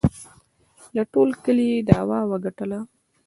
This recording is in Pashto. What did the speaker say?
له ټول کلي یې دعوه وگټله